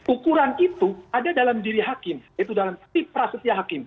ukuran itu ada dalam diri hakim yaitu dalam tip prasetya hakim